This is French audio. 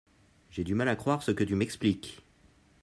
J'ai du mal à coire ce que tu m'expliques.